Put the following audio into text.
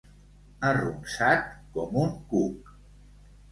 Arronsat com un cuc.